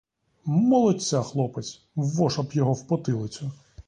Молодця хлопець, воша б його в потилицю.